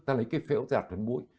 ta lấy cái phễu giặt vào mũi